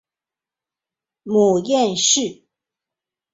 母颜氏。